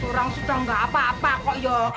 orang sudah nggak apa apa kok ya